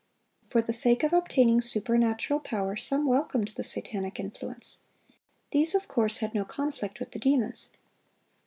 For the sake of obtaining supernatural power, some welcomed the satanic influence. These of course had no conflict with the demons.